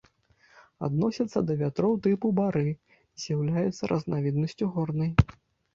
Адносіцца да вятроў тыпу бары, з'яўляецца разнавіднасцю горнай.